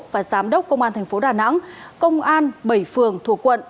và giám đốc công an thành phố đà nẵng công an bảy phường thuộc quận